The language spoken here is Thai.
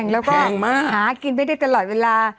แล้วก็หากินไม่ได้ตลอดเวลา